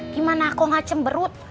gimana aku nggak cemberut